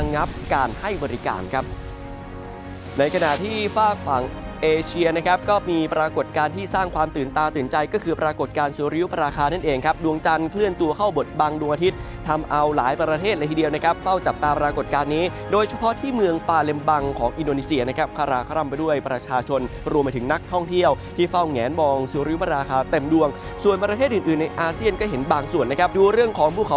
ในขณะที่ฝากฝั่งเอเชียนะครับก็มีปรากฏการณ์ที่สร้างความตื่นตาตื่นใจก็คือปรากฏการณ์สุริยุปราคานั่นเองครับดวงจันทร์เคลื่อนตัวเข้าบทบังดวงอาทิตย์ทำเอาหลายประเทศละทีเดียวนะครับเฝ้าจับตาปรากฏการณ์นี้โดยเฉพาะที่เมืองปาเลมบังของอินโดนิเซียนะครับคารากรรมไปด้วยประชา